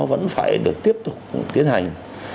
vẫn phải được tiếp tục tiến hành